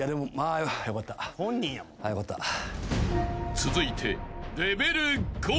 ［続いて］